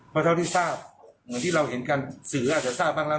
เพราะเท่าที่ทราบเหมือนที่เราเห็นกันสื่ออาจจะทราบบ้างแล้ว